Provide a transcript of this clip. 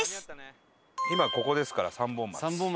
今ここですから三本松。